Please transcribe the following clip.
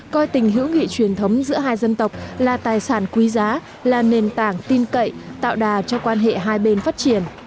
coi tình hữu nghị truyền thống giữa hai dân tộc là tài sản quý giá là nền tảng tin cậy tạo đà cho quan hệ hai bên phát triển